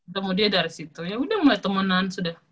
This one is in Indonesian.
temu dia dari situ ya udah mulai temenan sudah